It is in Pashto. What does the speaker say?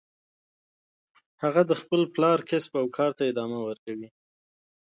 هغه د خپل پلار کسب او کار ته ادامه ورکوي